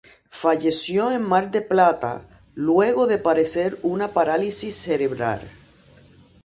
Falleció en Mar del Plata, luego de padecer una parálisis cerebral.